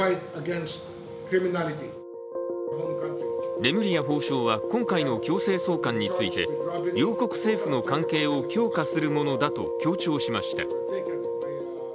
レムリヤ法相は今回の強制送還について両国政府の関係を強化するものだと強調しました。